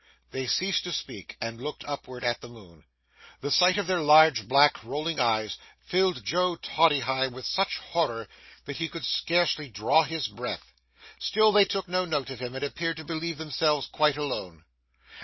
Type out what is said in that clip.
They ceased to speak, and looked upward at the moon. The sight of their large, black, rolling eyes filled Joe Toddyhigh with such horror that he could scarcely draw his breath. Still they took no note of him, and appeared to believe themselves quite alone.